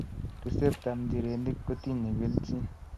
ripsetap njirenik kotinye keljin